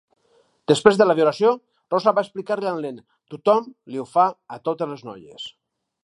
Després de la violació, Rosa va explicar-li al nen: Tothom li ho fa a totes les noies.